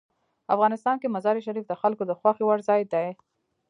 افغانستان کې مزارشریف د خلکو د خوښې وړ ځای دی.